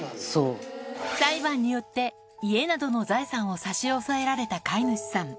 裁判によって家などの財産を差し押さえられた飼い主さん。